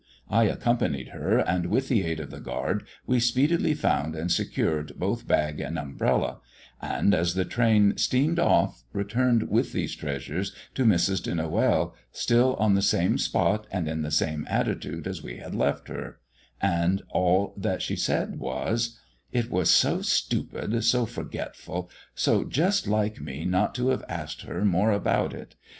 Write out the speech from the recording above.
I accompanied her, and, with the aid of the guard, we speedily found and secured both bag and umbrella, and, as the train steamed off, returned with these treasures to Mrs. de Noël, still on the same spot and in the same attitude as we had left her, and all that she said was "It was so stupid, so forgetful, so just like me not to have asked her more about it.